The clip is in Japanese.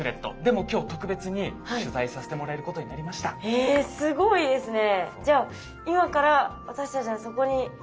えすごいですね。